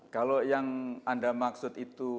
kalau yang anda maksud itu